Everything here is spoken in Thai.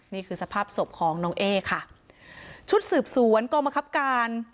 นี่คือสภาพศพของน้องเอ๊ค่ะชุดสืบสวนกองมะครับการ